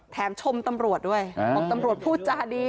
ชมตำรวจด้วยบอกตำรวจพูดจาดี